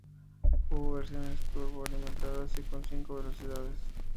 Hubo versiones turbo alimentadas y con cinco velocidades.